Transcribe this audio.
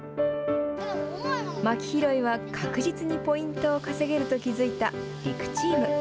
まき拾いは確実にポイントを稼げると気づいた陸チーム。